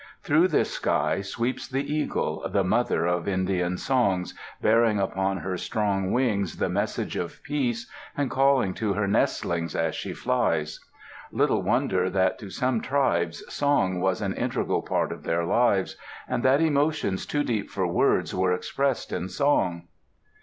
Through this sky sweeps the eagle, the "Mother" of Indian songs, bearing upon her strong wings the message of peace and calling to her nestlings as she flies. Little wonder that to some tribes song was an integral part of their lives, and that emotions too deep for words were expressed in song.